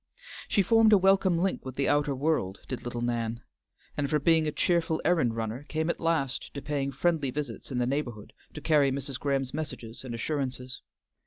She formed a welcome link with the outer world, did little Nan, and from being a cheerful errand runner, came at last to paying friendly visits in the neighborhood to carry Mrs. Graham's messages and assurances.